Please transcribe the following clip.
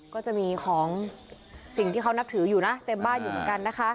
ก็จะมีของสิ่งที่เขานับถืออยู่นะเต็มบ้านอยู่เหมือนกันนะคะ